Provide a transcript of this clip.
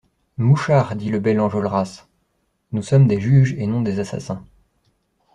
Mouchard, dit le bel Enjolras, nous sommes des juges et non des assassins.